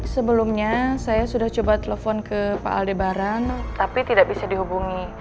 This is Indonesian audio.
sebelumnya saya sudah coba telepon ke pak aldebaran tapi tidak bisa dihubungi